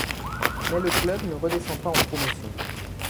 Mais le club ne redescend pas en Promotion.